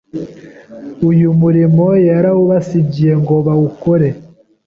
Uyu murimo yarawubasigiye ngo bawukore.